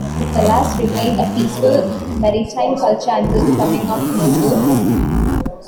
The Falas remained a peaceful maritime culture until the coming of Morgoth.